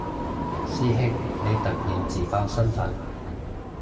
師兄你突然自爆身份